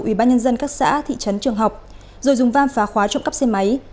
ủy ban nhân dân các xã thị trấn trường học rồi dùng vam phá khóa trộm cắp xe máy